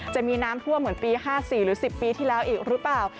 จะมีน้ำท่วมเหมือนปี๕๔หรือ๑๐ปีที่แล้วอีกหรือเปล่า